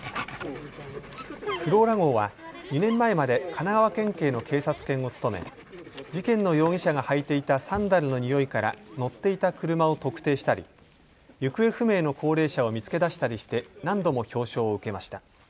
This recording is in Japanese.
フローラ号は２年前まで神奈川県警の警察犬を務め事件の容疑者が履いていたサンダルのにおいから乗っていた車を特定したり行方不明の高齢者を見つけ出したりして何度も表彰を受けました。